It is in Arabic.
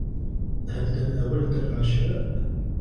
هل تناولت العشاء ؟